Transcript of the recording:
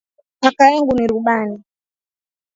Kaka yangu ni rubani.